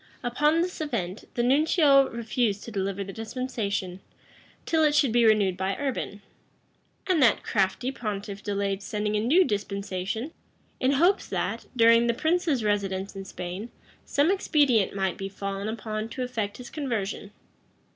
Upon this event, the nuncio refused to deliver the dispensation, till it should be renewed by Urban; and that crafty pontiff delayed sending a new dispensation, in hopes that, during the prince's residence in Spain, some expedient might be fallen upon to effect his conversion.